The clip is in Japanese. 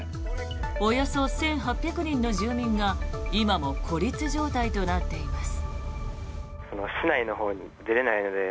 およそ１８００人の住民が今も孤立状態となっています。